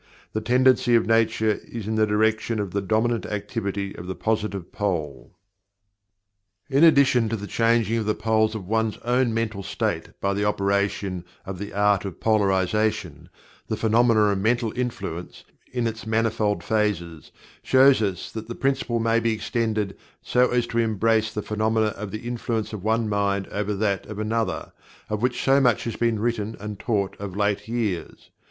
The tendency of Nature is in the direction of the dominant activity of the Positive pole. In addition to the changing of the poles of one's own mental states by the operation of the art of Polarization, the phenomena of Mental Influence, in its manifold phases, shows us that the principle may be extended so as to embrace the phenomena of the influence of one mind over that of another, of which so much has been written and taught of late years.